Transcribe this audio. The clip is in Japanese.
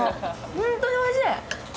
本当においしい。